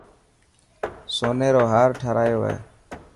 سوني رو هار ٺارايو هي.